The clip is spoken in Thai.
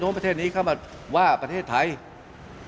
ท่านก็ให้เกียรติผมท่านก็ให้เกียรติผม